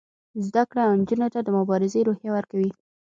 زده کړه نجونو ته د مبارزې روحیه ورکوي.